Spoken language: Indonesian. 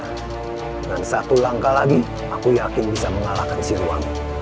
dengan satu langkah lagi aku yakin bisa mengalahkan siliwangi